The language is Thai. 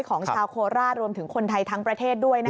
ของชาวโคราชรวมถึงคนไทยทั้งประเทศด้วย